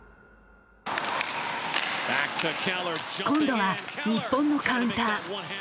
今度は日本のカウンター。